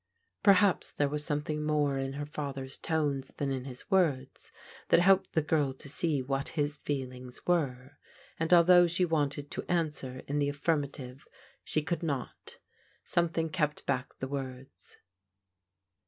Perhaps there was something more in her father's tones than in his words that helped the girl to see what k 6 THE HOME OP THE BAENES 293 his feelings were, and although she wanted to answer in the affirmative she could not. Something kept back the ^?vords.